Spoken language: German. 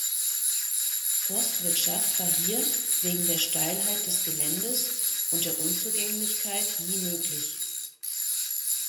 Forstwirtschaft war hier wegen der Steilheit des Geländes und der Unzugänglichkeit nie möglich.